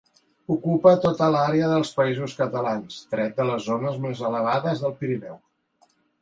Ocupa tota l'àrea dels Països Catalans, tret de les zones més elevades del Pirineu.